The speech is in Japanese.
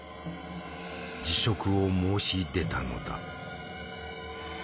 辞職を申し出たのだ。